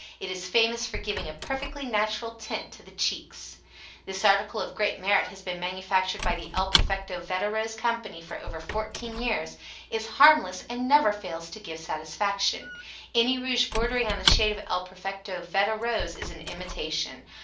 It is famous for giving a perfectly natural tint to the cheeks. This article of great merit has been manufactured by the El Perfecto Veda Rose Co. for over fourteen years, is harmless and never fails to give satisfaction. Any rouge bordering on the shade of El Perfecto Veda Rose is an imitation.